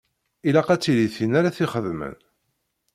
Ilaq ad tili tin ara t-ixedmen.